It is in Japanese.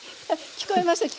聞こえました？